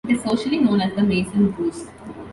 It is locally known as the "Maison Russe".